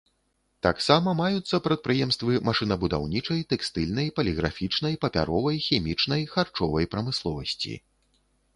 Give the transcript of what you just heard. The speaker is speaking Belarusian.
Таксама маюцца прадпрыемствы машынабудаўнічай, тэкстыльнай, паліграфічнай, папяровай, хімічнай, харчовай прамысловасці.